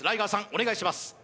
お願いします